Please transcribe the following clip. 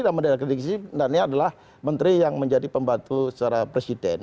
nama menteri dalam negeri adalah menteri yang menjadi pembantu secara presiden